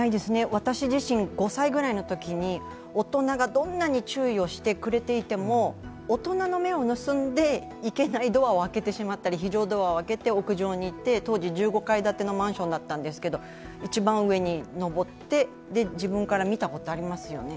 私自身、５歳ぐらいのときに、大人がどんなに注意をしてくれていても、大人の目を盗んでいけないドアを開けてしまったり非常ドアを開けて屋上に行って、当時１５階建てのマンションだったんですけど、一番上に登って自分から見たことありますよね。